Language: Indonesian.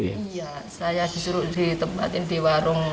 iya saya disuruh ditempatin di warung